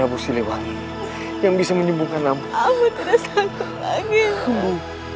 aku tidak mungkin bisa hidup tanpa ambu